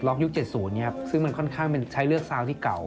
ล็อกยุคเจ็ดศูนย์เนี้ยครับซึ่งมันค่อนข้างเป็นใช้เลือกซาวน์ที่เก่า